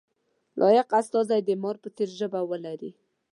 لایق استازی د مار په څېر ژبه ولري.